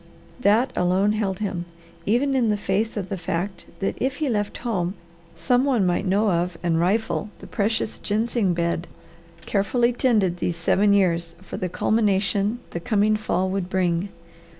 That alone held him, even in the face of the fact that if he left home some one might know of and rifle the precious ginseng bed, carefully tended these seven years for the culmination the coming fall would bring.